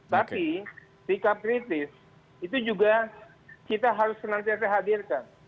tapi sikap kritis itu juga kita harus senantiasa hadirkan